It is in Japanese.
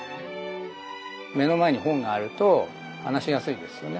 目の前に本があると話しやすいですよね。